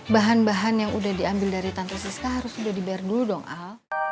bahan bahan yang udah diambil dari tante siska harus udah dibayar dulu dong al